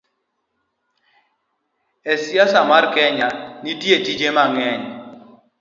E siasa mar Kenya, nitie tije mang'eny